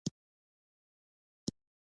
د افغانستان په منظره کې یورانیم ښکاره ده.